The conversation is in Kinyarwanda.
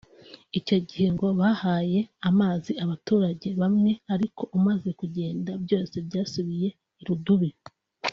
icyo gihe ngo bahaye amazi abaturage bamwe ariko umaze kugenda byose byasubiye irudubi